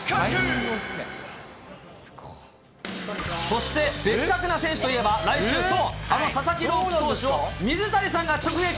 そしてベッカクな選手といえば、来週、あの佐々木朗希投手を水谷さんが直撃。